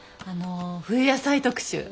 あの冬野菜特集。